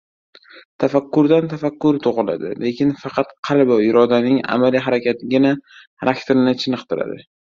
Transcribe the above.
Tafakkurdan tafakkur tugiladi, lekin faqat qalb va irodaning amaliy harakatigina xarakterni chiniqtiradi.